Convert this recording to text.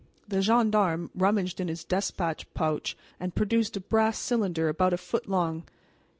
The gendarme rummaged in his despatch pouch and produced a brass cylinder about a foot long.